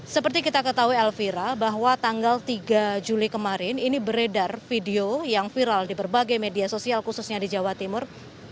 seperti kita ketahui elvira bahwa tanggal tiga juli kemarin ini beredar video yang viral di berbagai media sosial khususnya di jawa timur